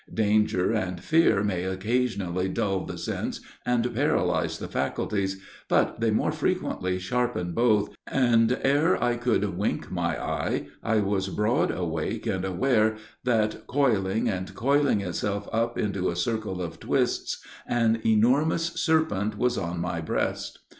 Danger and fear may occasionally dull the sense and paralyse the faculties, but they more frequently sharpen both, and ere I could wink my eye, I was broad awake and aware that, coiling and coiling itself up into a circle of twists, an enormous serpent was on my breast.